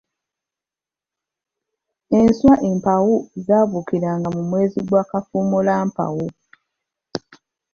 Enswa empawu zaabuukiranga mu mwezi gwa Kafumuulampawu.